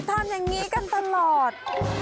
ทำอย่างนี้กันตลอด